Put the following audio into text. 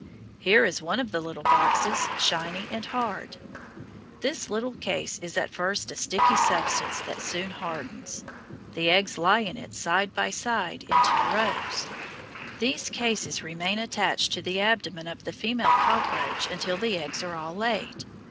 Here is one of the little boxes, shiny and hard. This little case is at first a sticky substance that soon hardens. The eggs lie in it side by side in two rows. These cases remain attached to the abdomen of the female cockroach until the eggs are all laid.